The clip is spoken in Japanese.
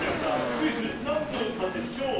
クイズ「なんのうたでしょう」！